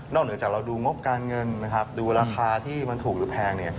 นอกจากเราดูงบการเงินดูราคาที่มันถูกหรือแพง